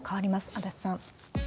足立さん。